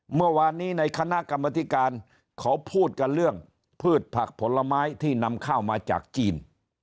เมื่อวานนี้ในคณะกรรมธิการเขาพูดกันเรื่องพืชผักผลไม้ที่นำข้าวมาจากจีน